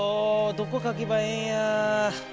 どこかけばええんや？